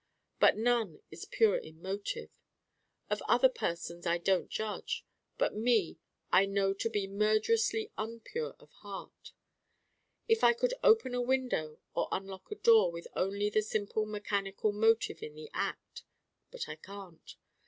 But none is pure in motive. Of other persons I don't judge. But me I know to be murderously un pure of heart. If I could open a window or unlock a door with only the simple mechanical motive in the act But I can't.